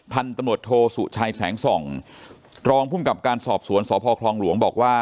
พันธุ์ตำรวจโทสุชัยแสงส่องรองภูมิกับการสอบสวนสพคลองหลวงบอกว่า